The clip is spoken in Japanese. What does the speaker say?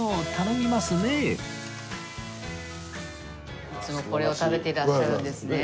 いつもこれを食べてらっしゃるんですね。